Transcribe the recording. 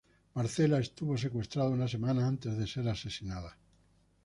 Marcela estuvo secuestrada una semana antes de ser asesinada.